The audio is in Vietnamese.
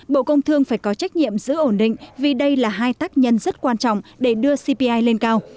bộ công thương phải có trách nhiệm giữ ổn định vì đây là hai tác nhân rất quan trọng để đưa cpi lên cao